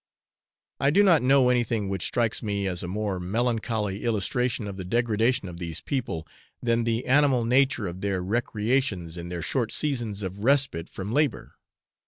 I do not know anything which strikes me as a more melancholy illustration of the degradation of these people, than the animal nature of their recreations in their short seasons of respite from labour.